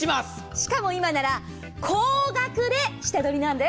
しかも今なら高額で下取りなんです。